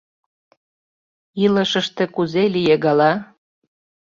— Илышыште кузе лие гала?